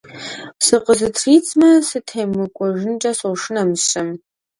Сыкъызытридзмэ, сытемыкӀуэжынкӀэ сошынэ мыщэм.